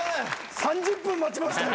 ３０分待ちました。